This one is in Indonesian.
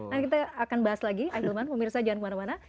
nanti kita akan bahas lagi ahilman pemirsa jangan kemana mana